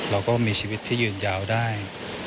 เราก็มีชีวิตที่ยืนยาวได้